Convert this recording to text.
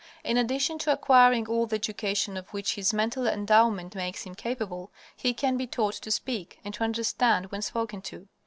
In addition to acquiring all the education of which his mental endowment makes him capable, he can be taught to speak and to understand when spoken to.